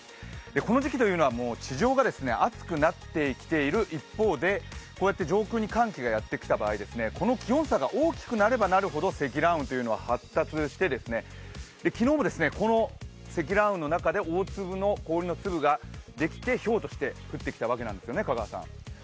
この時期は地上が暑くなってきている一方で、こうやって上空に寒気がやってきた場合、この気温差が大きくなればなるほど積乱雲というのは発達して昨日も積乱雲の中で大粒の氷の粒ができてひょうとして降ってきたわけなんですよね。